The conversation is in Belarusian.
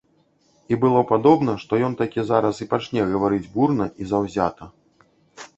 І было падобна, што ён такі зараз і пачне гаварыць, бурна і заўзята.